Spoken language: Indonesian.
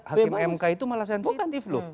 hakim mk itu malah sensitif loh